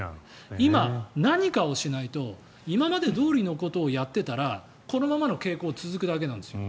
今、何かをしないと今までどおりのことをやってたらこのままの傾向が続くだけなんですよ。